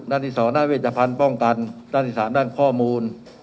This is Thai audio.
ด้านที่๒ด้านเวชภัณฑ์ป้องกันด้านที่๓ด้านข้อมูล